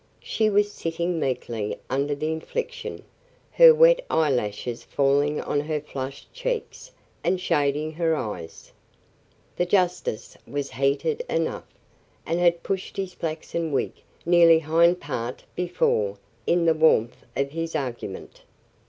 She was sitting meekly under the infliction, her wet eyelashes falling on her flushed cheeks and shading her eyes. The justice was heated enough, and had pushed his flaxen wig nearly hind part before, in the warmth of his argument.